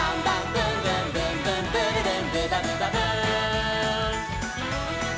「ブンブンブンブンブルルンブバブバブン！」